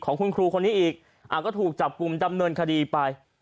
ของคุณครูคนนี้อีกก็ถูกจับกลุ่มดำเนินคดีไป